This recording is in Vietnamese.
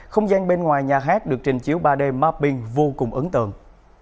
không gian bên ngoài nhà hát được trình chiếu ba d mapping vô cùng ấn tượng